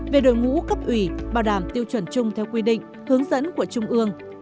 về đội ngũ cấp ủy bảo đảm tiêu chuẩn chung theo quy định hướng dẫn của trung ương